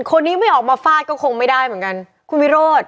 คนนี้ไม่ออกมาฟาดก็คงไม่ได้เหมือนกันคุณวิโรธ